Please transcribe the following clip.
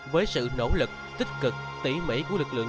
với sự nỗ lực tích cực tỉ mỉ của lực lượng